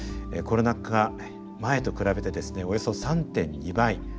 コロナ禍前と比べてですねおよそ３．２倍。